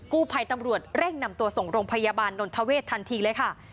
กู้ภัยตำรวจเร่งนำตัวส่งโรงพยาบาลนนทเวศทันทีเลยค่ะ